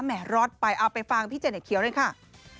แหม่รอดไปเอาไปฟังพี่เจนเน็ตเขียวด้วยค่ะ